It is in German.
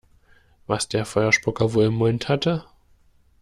Was der Feuerspucker wohl im Mund hatte?